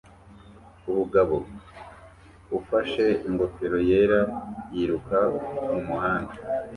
Umugabo ufashe ingofero yera yiruka mumuhanda